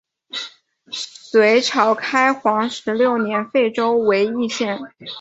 隋朝开皇十六年废州为易县。